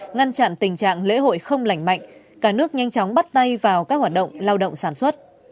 ngăn chặn tình trạng lễ hội không lành mạnh cả nước nhanh chóng bắt tay vào các hoạt động lao động sản xuất